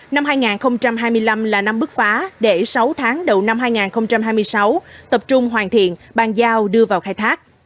năm hai nghìn hai mươi năm là năm bước phá để sáu tháng đầu năm hai nghìn hai mươi sáu tập trung hoàn thiện bàn giao đưa vào khai thác